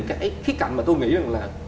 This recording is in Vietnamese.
cái khía cạnh mà tôi nghĩ rằng là